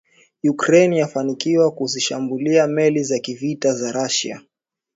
Ukraine yafanikiwa kuzishambulia meli za kivita za Russia